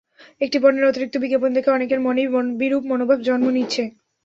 একটি পণ্যের অতিরিক্ত বিজ্ঞাপন দেখে অনেকের মনেই বিরূপ মনোভাব জন্ম নিচ্ছে।